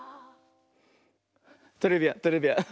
トレビアントレビアン。